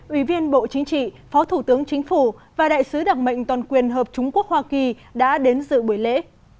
ủy viên bộ chính trị phó thủ tướng chính phủ và đại sứ đặc mệnh toàn quyền hợp trung quốc hoa kỳ đã đến dự buổi lễ